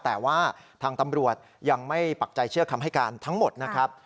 แต่ว่าทางตำรวจยังไม่ปักใจเชื่อคำให้การทั้งหมดนะครับ